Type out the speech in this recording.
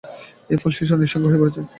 এর ফলে শিশুরা নিঃসঙ্গ হয়ে পড়ছে।